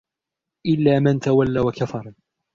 إِلَّا مَنْ تَوَلَّى وَكَفَرَ